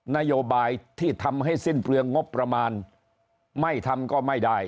นโยบายที่ทำให้สิ้นเปลืองงบประมาณไม่ทำก็ไม่ได้